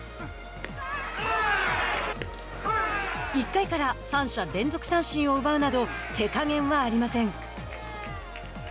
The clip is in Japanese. １回から３者連続三振を奪うなど手かげんはありません。